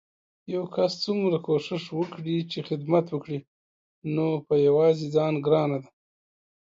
يو کس څومره کوښښ وکړي چې خدمت وکړي نو په يوازې ځان ګرانه ده